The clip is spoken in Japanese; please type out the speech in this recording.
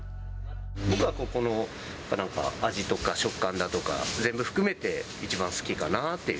僕はここの味とか食感だとか、全部含めて一番好きかなっていう。